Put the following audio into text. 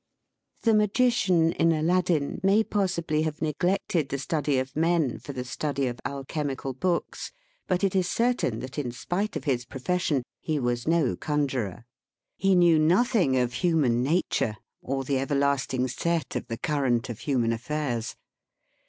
THE Magician in " Aladdin " may possibly have neglected the study of men, for the study of alchemical books ; but it is certain that in spite of his profession he was no conjuror. He knew nothing of human nature, or the everlasting set of the current of human aifairs.